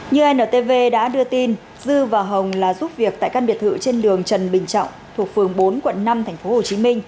như antv đã đưa tin dư và hồng là giúp việc tại căn biệt thự trên đường trần bình trọng thuộc phường bốn quận năm tp hcm